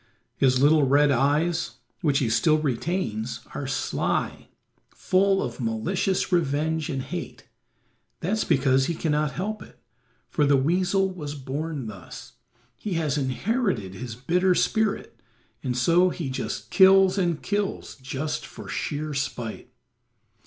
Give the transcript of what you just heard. His little red eyes, which he still retains, are sly, full of malicious revenge and hate; that's because he cannot help it, for the weasel was born thus. He has inherited his bitter spirit, and so he just kills and kills, just for sheer spite.